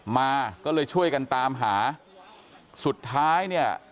มาก็เลยช่วยกันตามหาสุดท้ายเนี่ย